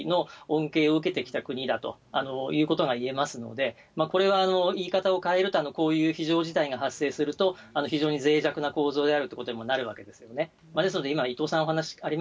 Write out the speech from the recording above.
日本人、あまり意識はしてないんですけれども、日本が最もこの自由貿易の恩恵を受けてきた国だということがいえますので、これは言い方を変えると、こういう非常事態が発生すると、非常にぜい弱な構造であるということにもなるわけですね。